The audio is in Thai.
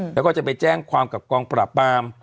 แล้วก็จะไปแจ้งความกับกองปราบปราม